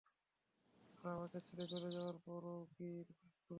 তারা তোমাকে ছেড়ে চলে যাবার পরও কি তুমি খুশি?